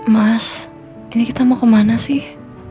mas ini kita mau kemana sih